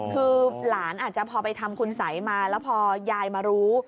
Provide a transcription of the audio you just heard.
คือหลานอาจจะพอไปทำคุณสัยมาแล้วพอยายมารู้